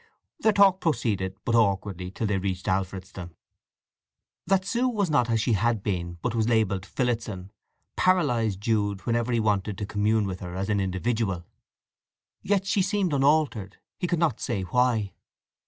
Their talk proceeded but awkwardly till they reached Alfredston. That Sue was not as she had been, but was labelled "Phillotson," paralyzed Jude whenever he wanted to commune with her as an individual. Yet she seemed unaltered—he could not say why.